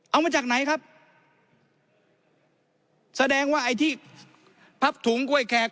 เอามาจากไหนครับแสดงว่าไอ้ที่พับถุงกล้วยแขก